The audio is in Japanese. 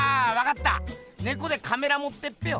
ネコでカメラもってっぺよ。